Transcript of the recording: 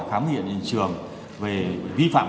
khám hiện trường về vi phạm